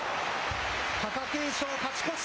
貴景勝、勝ち越し。